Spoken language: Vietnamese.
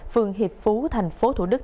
phường hiệp phú thành phố thủ đức